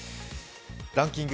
ランキング